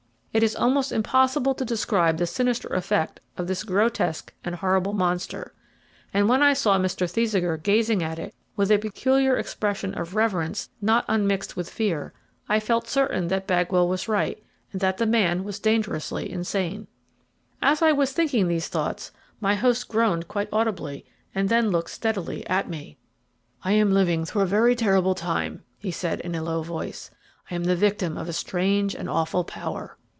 It is almost impossible to describe the sinister effect of this grotesque and horrible monster; and when I saw Mr. Thesiger gazing at it with a peculiar expression of reverence not unmixed with fear, I felt certain that Bagwell was right, and that the man was dangerously insane. As I was thinking these thoughts my host groaned quite audibly, and then looked steadily at me. "I am living through a very terrible time," he said in a low voice. "I am the victim of a strange and awful power."